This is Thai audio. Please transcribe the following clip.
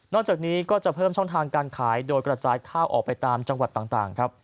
จากนี้ก็จะเพิ่มช่องทางการขายโดยกระจายข้าวออกไปตามจังหวัดต่างครับ